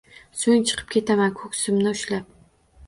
So’ng, chiqib ketaman, ko’ksimni ushlab